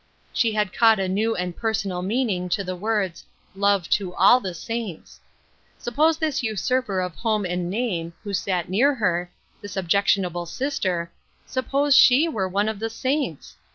She had caught a new and personal meaning to the words —" love to all the saints." Suppose this usurper of home and name, who sat near her — this objectionable sister — suppose she were one of the saints